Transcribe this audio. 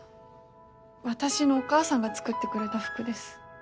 私のお母さんが作ってくれた服です。